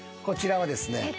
こちらはですね。